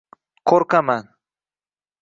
— Qoʼrqaman…